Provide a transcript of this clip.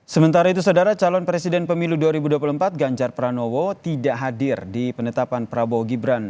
sementara itu saudara calon presiden pemilu dua ribu dua puluh empat ganjar pranowo tidak hadir di penetapan prabowo gibran